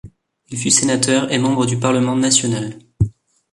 Il fut sénateur et membre du parlement national.